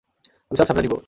আমি সব সামলে নিব।